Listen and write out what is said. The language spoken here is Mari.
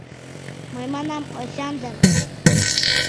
— Мый, — манам, — Осяндр!